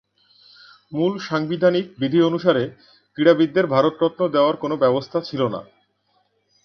মূল সাংবিধানিক বিধি অনুসারে, ক্রীড়াবিদদের ভারতরত্ন দেওয়ার কোনো ব্যবস্থা ছিল না।